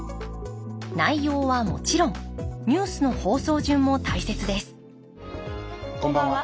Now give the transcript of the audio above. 内容はもちろんニュースの放送順も大切ですこんばんは。